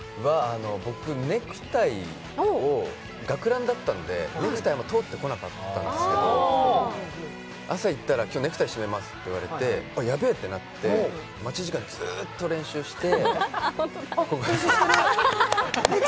僕、ネクタイを学ランだったんでネクタイも通ってこなかったんですけど朝行ったら、今日ネクタイ締めますって言われて、やべぇってなって、待ち時間、ずっと練習して。